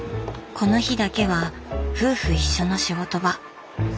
この日だけは夫婦一緒の仕事場。